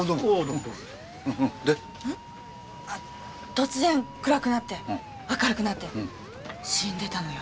突然暗くなって明るくなったら死んでたのよ！